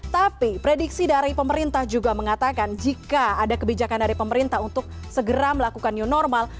tapi prediksi dari pemerintah juga mengatakan jika ada kebijakan dari pemerintah untuk segera melakukan new normal